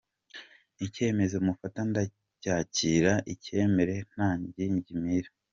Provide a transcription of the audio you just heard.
Icyemezo mufata ndacyakira ncyemere nta ngingimira.